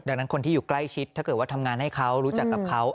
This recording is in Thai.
ดังนั้นคนที่อยู่ใกล้ชิดถ้าเกิดว่าทำงานให้เขารู้จักกับเขา